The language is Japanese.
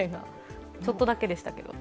ちょっとだけでしたけど。